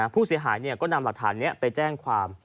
ผู้เสียหายก็นำหลักฐานนี้ไปแจ้งความ